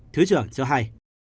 thứ trưởng cho hay